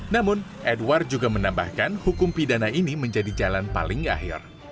namun edward juga menambahkan hukum pidana ini menjadi jalan paling akhir